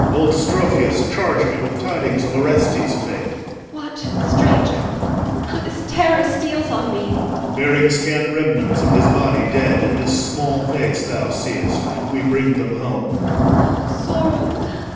Old Strophius Charged me with tidings of Orestes' fate. EL. What, stranger? How this terror steals on me! OR. Bearing scant remnants of his body dead In this small vase thou seest, we bring them home. EL. O sorrow!